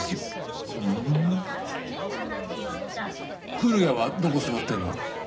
古谷はどこ座ってんの？